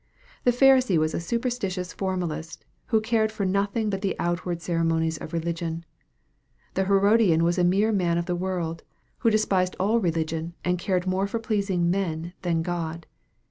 The Pharisee was a superstitious formalist, who cared for nothing but the outward cere monies of religion. The Herodian was a mere man of the world, who despised all religion, and cared more for pleasing men than G od.